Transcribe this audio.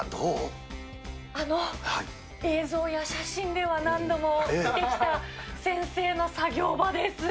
あの、映像や写真では何度も見てきた先生の作業場です。